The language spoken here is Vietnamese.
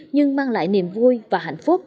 nhưng mang lại niềm vui và hạnh phúc